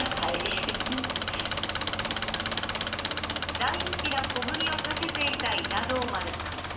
大好きな小麦を避けていた稲童丸さん。